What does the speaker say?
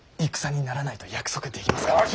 戦にならないと約束できますか。